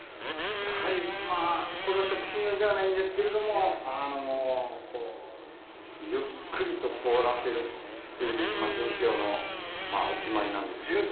やはり、これは食品用ではないんですけれども、ゆっくりと凍らせるっていう純氷のお決まりなんですけど。